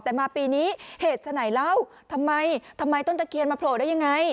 แต่มาปีนี้เหตุฉะไหนเล่าทำไมทำไมต้นตะเคียนมาโผล่ได้ยังไง